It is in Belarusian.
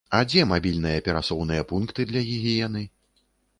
А дзе мабільныя перасоўныя пункты для гігіены?